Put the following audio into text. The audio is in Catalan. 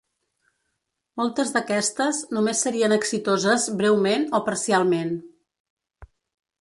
Moltes d'aquestes només serien exitoses breument o parcialment.